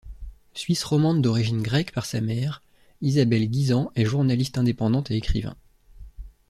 Suisse romande d'origine grecque par sa mère, Isabelle Guisan est journaliste indépendante et écrivain.